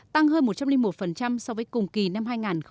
tăng hơn một trăm linh một so với cùng kỳ năm hai nghìn một mươi tám